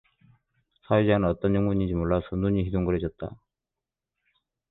사회자는 어쩐 영문인지 몰라서 눈이 둥그래졌다.